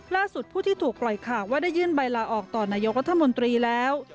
ผู้ที่ถูกปล่อยข่าวว่าได้ยื่นใบลาออกต่อนายกรัฐมนตรีแล้ว